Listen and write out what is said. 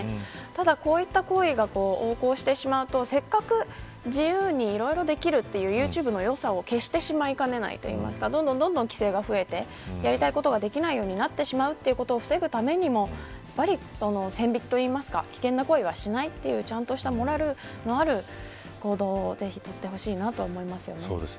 ただ、こういった行為が横行してしまうとせっかく自由にできるユーチューブの良さを消してしまいかねないというか規制が増えてやりたいことができなくなってしまうということを防ぐためにも線引きというか危険な行為はしないというちゃんとしたモラルある行動をぜひ取ってほしいと思います。